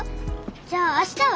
じゃあ明日は？